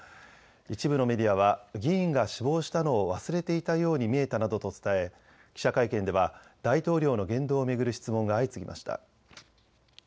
一部のメディアは議員が死亡したのを忘れていたように見えたなどと伝え記者会見では大統領の言動を巡る質問が相次ぎました。